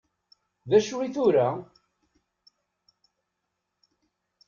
D acu i tura?